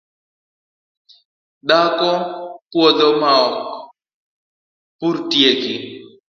Dhako puodho maok purtieki